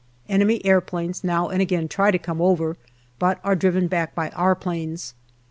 Enemy aeroplanes now and again try to come over, but are driven back by our planes.